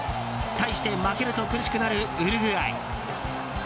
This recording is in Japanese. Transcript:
対して負けると苦しくなるウルグアイ。